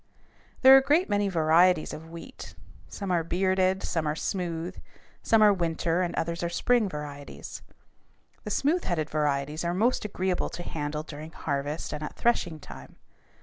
There are a great many varieties of wheat: some are bearded, others are smooth; some are winter and others are spring varieties. The smooth headed varieties are most agreeable to handle during harvest and at threshing time.